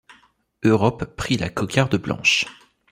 Europe prit la cocarde blanche.